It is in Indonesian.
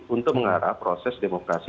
untuk mengarah proses demokrasi